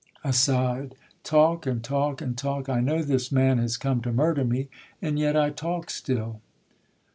[Aside. Talk, and talk, and talk, I know this man has come to murder me, And yet I talk still.